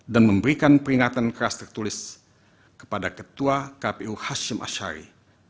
dan memberikan peringatan keras tertulis kepada ketua kpu hashim ashari